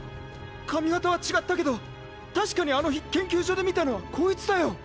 髪型は違ったけど確かにあの日研究所で見たのはこいつだよ！